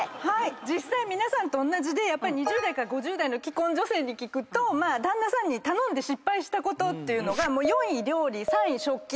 実際皆さんとおんなじで２０代から５０代の既婚女性に聞くと旦那さんに頼んで失敗したことというのが。